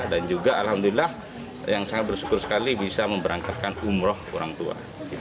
dan juga alhamdulillah yang sangat bersyukur sekali bisa memberangkatkan umroh orang tua